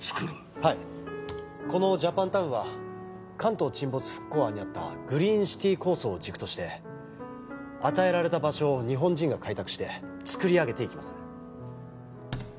はいこのジャパンタウンは関東沈没復興案にあったグリーンシティ構想を軸として与えられた場所を日本人が開拓してつくりあげていきます